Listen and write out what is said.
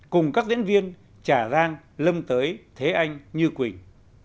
cùng các diễn viên trà rang lâm tới thế anh như quỳnh